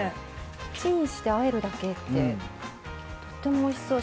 チンしてあえるだけってとってもおいしそう。